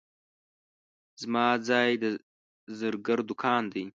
زما ځای د زرګر دوکان دی.